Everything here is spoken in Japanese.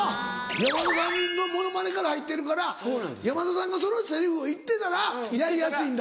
山田さんのモノマネから入ってるから山田さんがそのセリフを言ってたらやりやすいんだ。